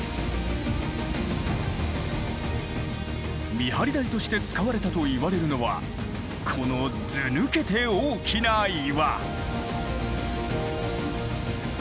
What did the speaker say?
見張り台として使われたといわれるのはこのずぬけて大きな岩。